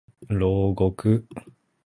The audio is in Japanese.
牢獄